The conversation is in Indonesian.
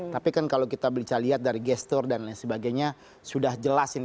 tapi kan kalau kita bisa lihat dari gestur dan lain sebagainya sudah jelas ini